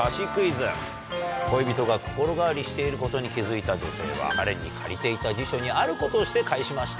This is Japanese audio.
恋人が心変わりしていることに気付いた女性は彼に借りていた辞書にあることをして返しました。